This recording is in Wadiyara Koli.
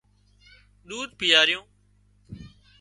ۮوڌ پيائريون